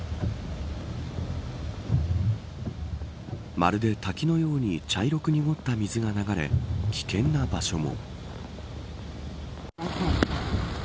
まるで滝のように茶色く濁った水が流れ危険な場所も。